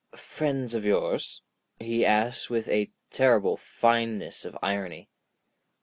"Friends of yours?" he asked with a terrible fineness of irony.